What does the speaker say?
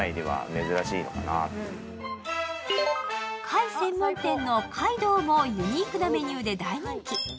貝専門店の貝道もユニークなメニューで大人気。